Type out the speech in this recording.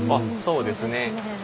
そうですね。